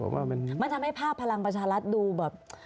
ว่ามันทำให้ภาพพลังประชารัฐดูแบบ